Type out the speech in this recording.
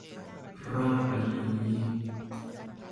รอดไปอีก